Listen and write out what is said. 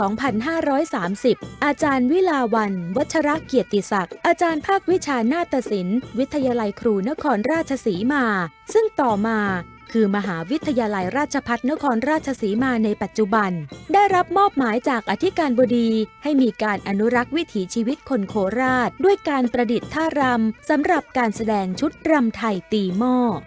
อาจารย์วิลาวันวัชระเกียรติศักดิ์อาจารย์ภาควิชาหน้าตสินวิทยาลัยครูนครราชศรีมาซึ่งต่อมาคือมหาวิทยาลัยราชพัฒนครราชศรีมาในปัจจุบันได้รับมอบหมายจากอธิการบดีให้มีการอนุรักษ์วิถีชีวิตคนโคราชด้วยการประดิษฐ์ท่ารำสำหรับการแสดงชุดรำไทยตีหม้อ